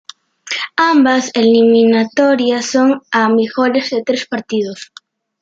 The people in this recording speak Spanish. Ambas eliminatoria son a mejor de tres partidos.